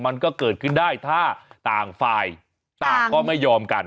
มันก็เกิดขึ้นได้ถ้าต่างฝ่ายต่างก็ไม่ยอมกัน